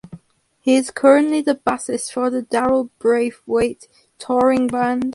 He is currently the bassist for the Darryl Braithwaite touring band.